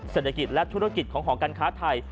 เศรษฐกิจและธุรกิจของหอการค้าไทย